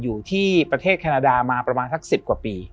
อยู่ที่ประเทศแคนาดามาประมาณสัก๑๐กว่าปี